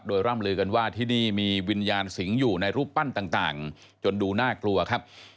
โดยร่ำลือกันว่าที่นี่มีวิญญาณสิงห์อยู่ในรูปปั้นต่างจนดูน่ากลัวครับ